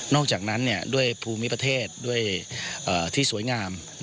อกจากนั้นด้วยภูมิประเทศด้วยที่สวยงาม